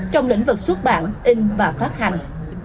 trong lĩnh vực xuất bản in và phát hành